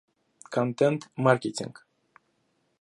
Контент-маркетинг